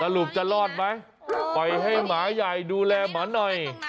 ลูกจะรอดไหมปล่อยให้หมาใหญ่ดูแลหมาหน่อย